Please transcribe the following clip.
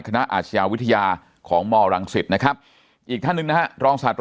อาชญาวิทยาของมรังสิตนะครับอีกท่านหนึ่งนะฮะรองศาสตรา